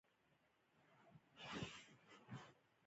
عطایي د ادبي نقدونو لیکنه هم کړې ده.